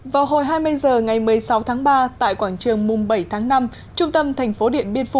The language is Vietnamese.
vào hồi hai mươi h ngày một mươi sáu tháng ba tại quảng trường mùng bảy tháng năm trung tâm thành phố điện biên phủ